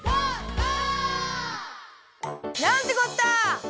ゴー！」なんてこった！